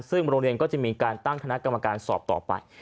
ซึ่งโรงเรียนก็จะมีการตั้งคณะกรรมการสอบต่อไป